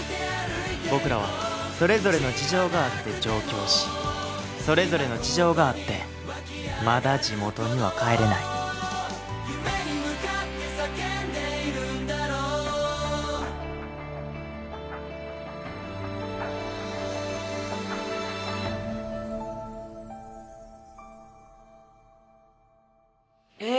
僕らはそれぞれの事情があって上京しそれぞれの事情があってまだジモトには帰れないえっ